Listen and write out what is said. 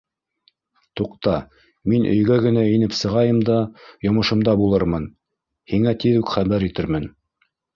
Туҡта, мин өйгә генә инеп сығайым да йомошомда булырмын, һиңә тиҙ үк хәбәр итермен.